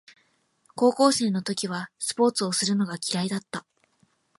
高校生の時はスポーツをするのが嫌いだった